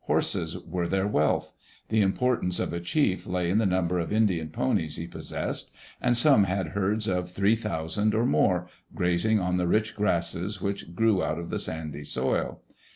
Horses were their wealth. The importance of a chief lay in the number of Indian ponies he possessed, and some had herds of three thousand or more, grazing on the rich grasses which grew out of the sandy soil.